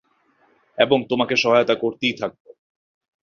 এবং, তোমাকে সহায়তা করতেই থাকব!